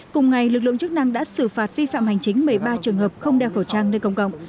cùng ngày lực lượng chức năng đã xử phạt vi phạm hành chính một mươi ba trường hợp không đeo khẩu trang nơi công cộng